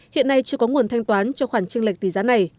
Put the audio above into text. hiện nay chưa có nguồn thanh toán cho khoản trinh lệch tỷ giá này